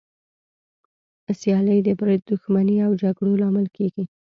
سیالي د بريد، دښمني او جګړو لامل کېږي.